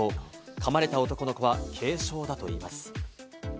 噛まれた男の子は軽傷だといいます。